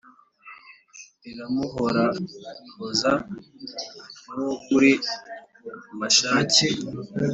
liramuhorahoza nk’uwo kuri Mashaki,